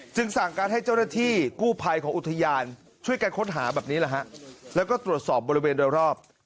สั่งการให้เจ้าหน้าที่กู้ภัยของอุทยานช่วยกันค้นหาแบบนี้แหละฮะแล้วก็ตรวจสอบบริเวณโดยรอบ